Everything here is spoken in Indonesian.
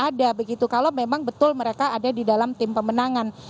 ada begitu kalau memang betul mereka ada di dalam tim pemenangan